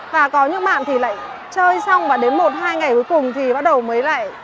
và có những bạn thì lại chơi xong và đến một hai ngày cuối cùng thì bắt đầu mới lại